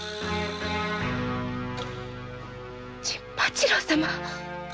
陣八郎様。